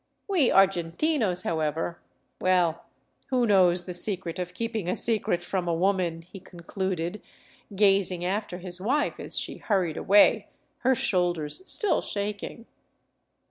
We Argentinos, however — well, who knows the secret of keeping a secret from a woman," he concluded, gazing after his wife as she hurried away, her shoulders still shaking.